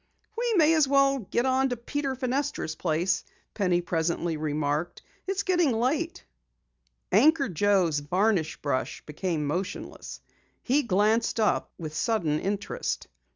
"We may as well go on to Peter Fenestra's place," Penny presently remarked. "It's getting late." Anchor Joe's varnish brush became motionless. He glanced up with sudden interest.